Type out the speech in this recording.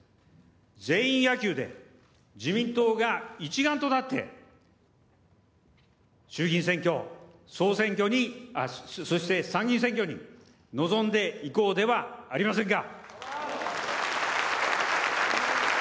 全員野球で、自民党が一丸となって、衆議院選挙、総選挙に、そして参議院選挙に臨んでいこうではありませんか。